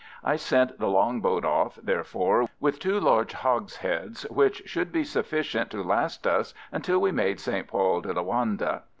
I sent the long boat off, therefore, with two large hogsheads, which should be sufficient to last us until we made St. Paul de Loanda.